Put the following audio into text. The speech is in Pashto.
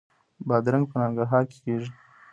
بادرنګ په ننګرهار کې کیږي